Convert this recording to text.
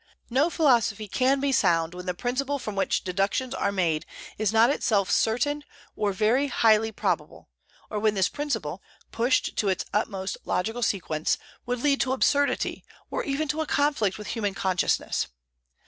No philosophy can be sound when the principle from which deductions are made is not itself certain or very highly probable, or when this principle, pushed to its utmost logical sequence, would lead to absurdity, or even to a conflict with human consciousness.